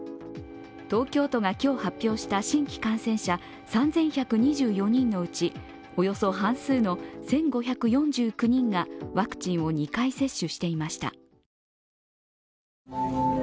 東京都が今日発表した新規感染者３１２４人のうちおよそ半数の１５４９人がワクチンを２回接種していました。